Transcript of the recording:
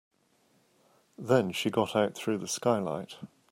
Then she got out through the skylight.